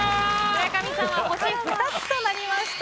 村上さんは星２つとなりました。